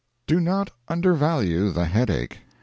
Do not undervalue the headache.